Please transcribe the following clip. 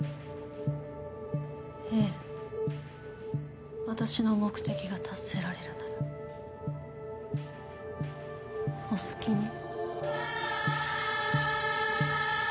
ええ私の目的が達せられるならお好きに。